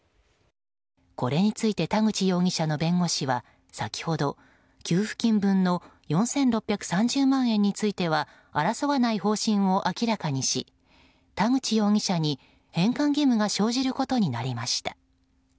これについて田口容疑者の弁護士は先ほど、給付金分の４６３０万円については争わない方針を明らかにし田口容疑者に返還義務が生じることになりました。